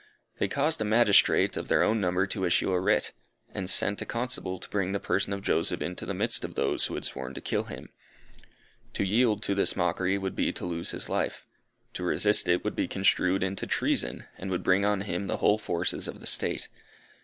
They caused a magistrate of their own number to issue a writ; and sent a constable to bring the person of Joseph into the midst of those who had sworn to kill him. To yield to this mockery would be to lose his life. To resist it would be construed into treason and would bring on him the whole forces of the State.